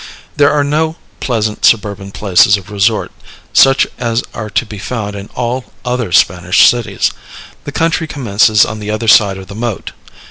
There are no pleasant suburban places of resort, such as are to be found in all other Spanish cities; the country commences on the other side of the moat.